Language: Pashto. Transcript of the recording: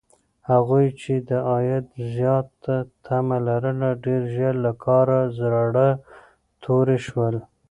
هغوی چې د عاید زیاته تمه لرله، ډېر ژر له کاره زړه توري شول.